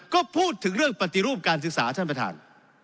ก็พูดถึงเรื่องปฏิรูปการศึกษาท่านประธาน